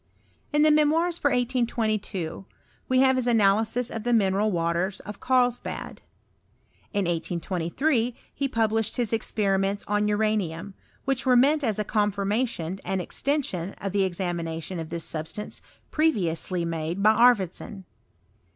In the Memoirs for 1822 we have his analysis of the mineral waters of Carlsbad. In 1823 he pub lished hia experiments on uranium, which were meant as a confirmation and extension of the examinatt(»i of this substance previously made by Arfvedson.